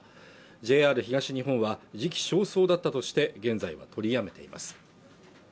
ＪＲ東日本は時期尚早だったとして現在は取りやめています